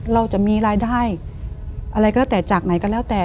เราจะมีรายได้อะไรก็แล้วแต่จากไหนก็แล้วแต่